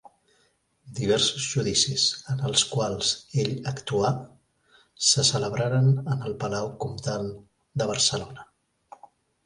Diversos judicis en els quals ell actuà se celebraren en el palau comtal de Barcelona.